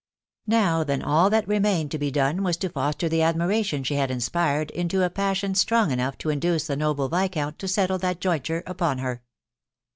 Now then all that remained to be done was to foster tie admiration she had inspired into a passion strong enough to induce the noble viscount to settle that jointure upon htx.